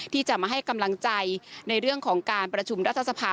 ที่จะมาให้กำลังใจในเรื่องของการประชุมรัฐสภา